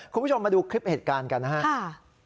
คุณผู้ชมมาดูคลิปเหตุการณ์กันนะครับ